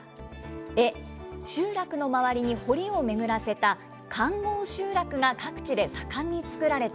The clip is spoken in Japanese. エ、集落のまわりにほりを巡らせた環ごう集落が各地で盛んにつくられた。